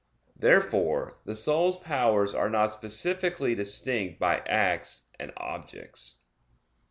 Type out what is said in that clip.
Therefore the soul's powers are not specifically distinct by acts and objects.